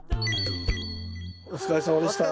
お疲れさまでした。